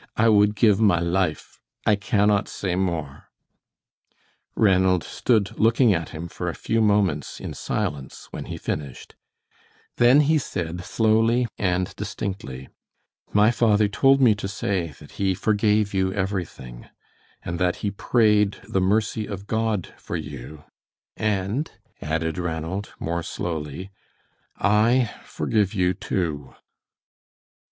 "I would give my life. I cannot say more." Ranald stood looking at him for a few moments in silence when he finished; then he said slowly and distinctly, "My father told me to say that he forgave you everything, and that he prayed the mercy of God for you, and," added Ranald, more slowly, "I forgive you too."